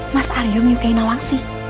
mas ariom yukai nawangsi